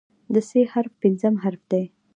د "ث" حرف پنځم حرف دی.